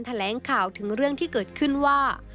แถลงข่าวถึงเรื่องที่เกิดขึ้นว่า